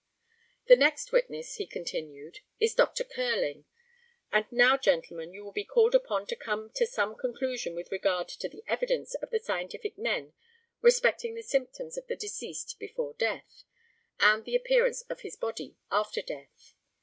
The next witness, he continued, is Dr. Curling, and now, gentlemen, you will be called upon to come to some conclusion with regard to the evidence of the scientific men respecting the symptoms of the deceased before death, and the appearance of his body after death.